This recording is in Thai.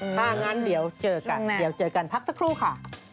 หลังงั้นเดี๋ยวเจอกันพักสักครู่ค่ะ